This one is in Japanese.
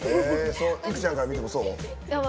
いくちゃんから見てもそう？